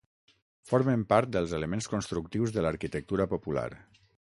Formen part dels elements constructius de l'arquitectura popular.